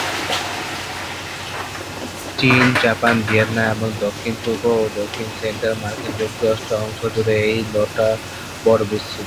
চীন, Japan, Vietnam এবং দক্ষিণ-পূর্ব ও দক্ষিণ-সেন্ট্রাল মার্কিন যুক্তরাষ্ট্র অংশ জুড়ে এই লতা বট বিস্তৃত।